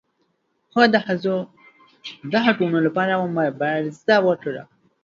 هغه د ښځو د حقونو لپاره مبارزه وکړه.